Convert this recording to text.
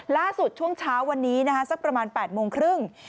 ช่วงเช้าวันนี้สักประมาณ๘โมงครึ่ง